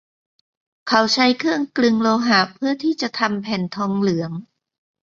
เขาใช้เครื่องกลึงโลหะเพื่อที่จะทำแผ่นทองเหลือง